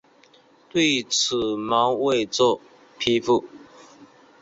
对此毛未作批复。